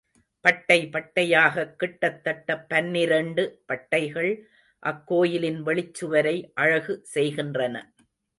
பட்டை பட்டையாகக் கிட்டத்தட்ட பன்னிரெண்டு பட்டைகள் அக்கோயிலின் வெளிச்சுவரை அழகு செய்கின்றன.